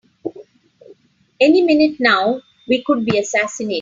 Any minute now we could be assassinated!